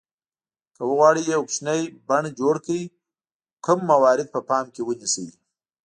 که وغواړئ یو کوچنی بڼ جوړ کړئ کوم موارد په پام کې ونیسئ.